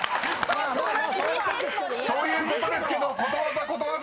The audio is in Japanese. ［そういうことですけどことわざことわざ！］